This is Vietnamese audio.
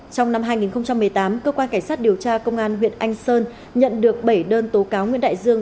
trong năm hai nghìn một mươi tám cơ quan cảnh sát điều tra công an huyện anh sơn nhận được bảy đơn tố cáo nguyễn đại dương